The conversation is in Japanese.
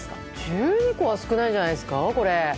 １２個は少ないんじゃないですか。